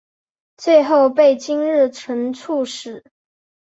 最后被金日成处死。